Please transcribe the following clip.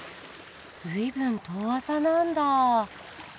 随分遠浅なんだ。